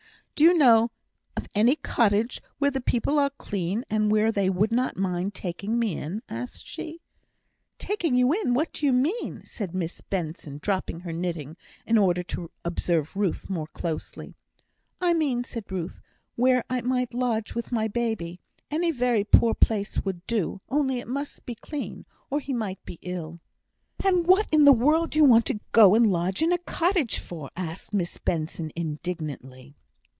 "Do you know of any cottage where the people are clean, and where they would not mind taking me in?" asked she. "Taking you in! What do you mean?" said Miss Benson, dropping her knitting, in order to observe Ruth more closely. "I mean," said Ruth, "where I might lodge with my baby any very poor place would do, only it must be clean, or he might be ill." "And what in the world do you want to go and lodge in a cottage for?" said Miss Benson, indignantly.